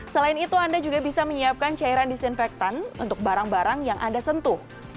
selain itu anda juga bisa menyiapkan cairan disinfektan untuk barang barang yang anda sentuh